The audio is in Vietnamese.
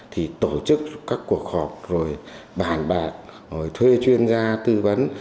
thì tổ chức các cuộc họp rồi bàn bạc rồi thuê chuyên gia tư vấn